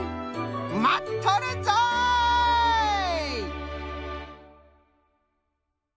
まっとるぞい！